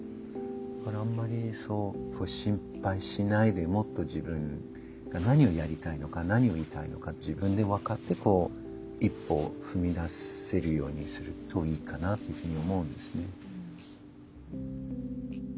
だからあんまり心配しないでもっと自分が何をやりたいのか何を言いたいのか自分で分かってこう一歩踏み出せるようにするといいかなというふうに思うんですね。